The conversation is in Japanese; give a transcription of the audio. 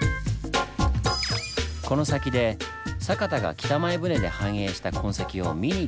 この先で酒田が北前船で繁栄した痕跡を見に行きましょう。